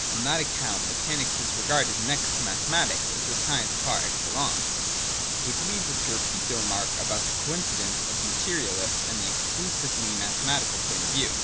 On that account me chanics is regarded next to mathematics as the science par excellence; which leads us to repeat the remark about the coincidence of the materialist with the exclusively mathe matical point of view.